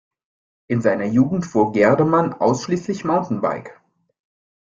In seiner Jugend fuhr Gerdemann ausschließlich Mountainbike.